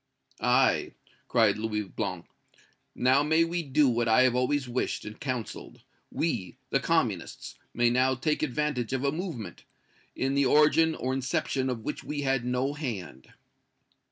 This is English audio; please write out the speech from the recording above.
"Aye!" cried Louis Blanc, "we may now do what I have always wished and counseled we, the Communists, may now take advantage of a movement, in the origin or inception of which we had no hand."